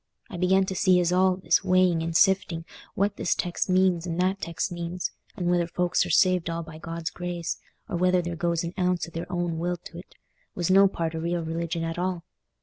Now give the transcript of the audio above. I began to see as all this weighing and sifting what this text means and that text means, and whether folks are saved all by God's grace, or whether there goes an ounce o' their own will to't, was no part o' real religion at all.